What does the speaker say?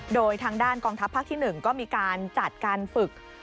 โดยทางด้านกองทัพภาคที่๑ก็มีการจัดการฝึก